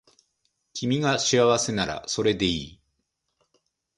君が幸せならそれでいい